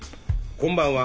こんばんは。